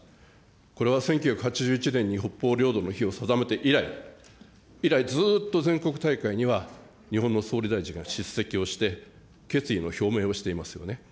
これは１９８１年に北方領土の日を定めて以来、以来ずっと全国大会には、日本の総理大臣が出席をして、決意の表明をしていますよね。